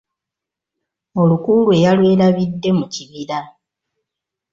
Oluku lwe yalwelabidde mu kibiira.